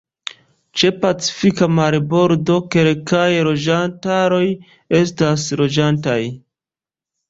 Ĉe Pacifika marbordo kelkaj loĝantaroj estas loĝantaj.